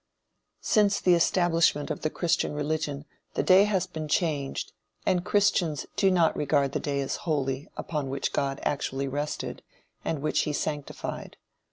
Since the establishment of the Christian religion, the day has been changed, and Christians do not regard the day as holy upon which God actually rested, and which he sanctified.